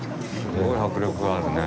すごい迫力があるね。